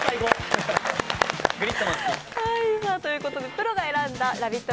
プロが選んだラヴィット！